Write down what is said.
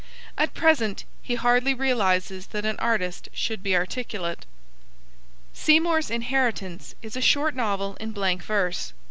At present he hardly realises that an artist should be articulate. Seymour's Inheritance is a short novel in blank verse.